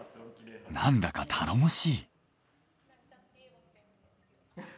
なんだか頼もしい。